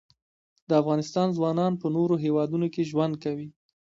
د افغانستان ځوانان په نورو هیوادونو کې ژوند کوي.